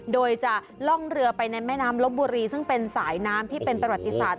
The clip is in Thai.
โดยจะล่องเรือไปในแม่น้ำลบบุรีซึ่งเป็นสายน้ำที่เป็นประวัติศาสต